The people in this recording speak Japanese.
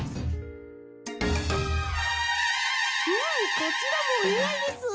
こちらもおにあいです！